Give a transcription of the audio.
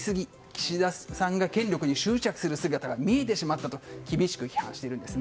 岸田さんが権力に執着する姿が見えてしまったと厳しく批判しているんです。